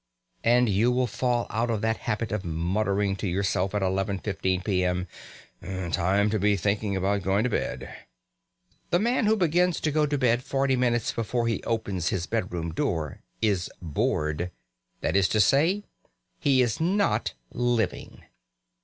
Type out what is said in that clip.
And you will fall out of that habit of muttering to yourself at 11.15 p.m., "Time to be thinking about going to bed." The man who begins to go to bed forty minutes before he opens his bedroom door is bored; that is to say, he is not living.